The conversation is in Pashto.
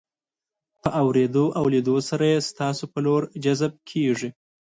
په اورېدو او لیدو سره یې ستاسو په لور جذب کیږي.